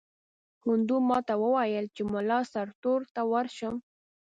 هندو ماته وویل چې مُلا سرتور ته ورشم.